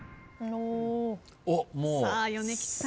さあ米吉さん。